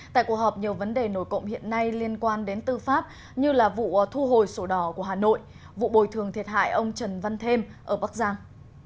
tại cuộc họp nhiều vấn đề nổi cộng hiện nay liên quan đến tư pháp như là vụ thu hồi sổ đỏ của hà nội vụ bồi thường thiệt hại ông trần văn thêm ở bắc giang